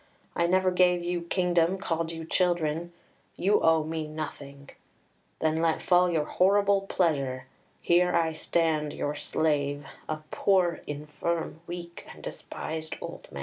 I never gave you kingdom, called you children; you owe me nothing; then let fall your horrible pleasure. Here I stand, your slave, a poor, infirm, weak, and despised old man." [Illustration: "Blow, winds! Rage! Blow!"